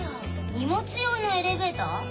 荷物用のエレベーター？